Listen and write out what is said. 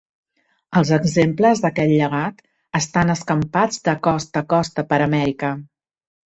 Els exemples d'aquest llegat estan escampats de costa a costa per Amèrica.